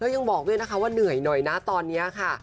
ยังบอกด้วยนะคะว่าเหนื่อยหน่อยนะตอนนี้ค่ะ